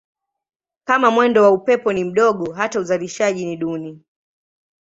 Kama mwendo wa upepo ni mdogo hata uzalishaji ni duni.